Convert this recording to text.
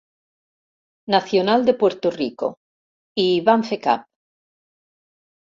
Nacional de Puerto Rico, i hi van fer cap.